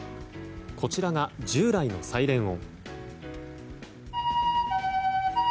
こちらが、従来のサイレン音。